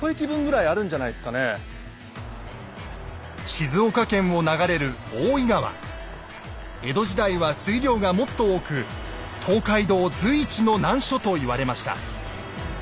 静岡県を流れる江戸時代は水量がもっと多く東海道随一の難所と言われました。